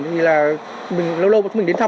như là lâu lâu chúng mình đến thăm